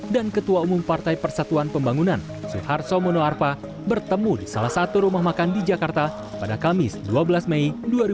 dan ketua umum partai persatuan pembangunan suharto munoarpa bertemu di salah satu rumah makan di jakarta pada kamis dua belas mei dua ribu dua puluh dua